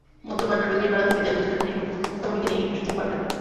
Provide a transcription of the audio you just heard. মধ্য বাড্ডার বেপারীপাড়া থেকে দেড় বছরের মেয়ে মুক্তামণিকে নিয়ে এসেছেন পারভীন আক্তার।